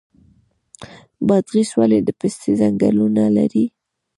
بادغیس ولې د پستې ځنګلونه لري؟